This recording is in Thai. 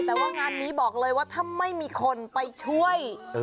แต่ว่างานนี้บอกเลยว่าถ้าไม่มีคนไปช่วย